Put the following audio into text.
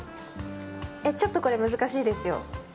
ちょっとこれ、難しいですよ。